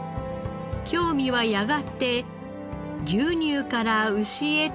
興味はやがて牛乳から牛へと繋がり